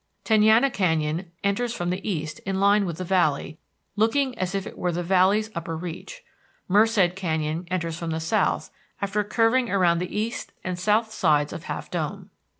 Tenaya Canyon enters from the east in line with the valley, looking as if it were the Valley's upper reach. Merced Canyon enters from the south after curving around the east and south sides of Half Dome.